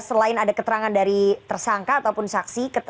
selain ada keterangan dari tersangka ataupun saksi